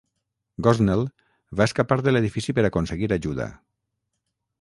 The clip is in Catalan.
Gosnell va escapar de l'edifici per aconseguir ajuda.